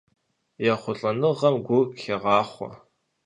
ЕхъулӀэныгъэм гур хегъахъуэ.